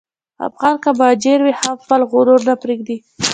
افغان که مهاجر وي، هم خپل غرور نه پرېږدي.